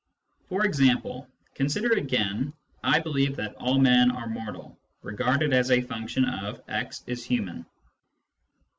For example, consider again "I believe that all men are mortal," regarded as a function of " x is human."